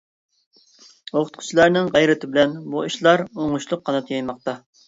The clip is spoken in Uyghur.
ئوقۇتقۇچىلارنىڭ غەيرىتى بىلەن بۇ ئىشلار ئوڭۇشلۇق قانات يايماقتا.